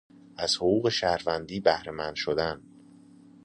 از حقوق شهروندی بهره مند شدن